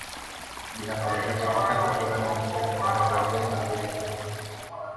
Di Amerika Serikat, aturan di setiap negara bagian berbeda-beda.